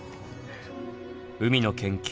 海の研究